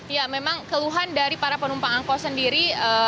ya memang keluhan dari para penumpang angkos sendiri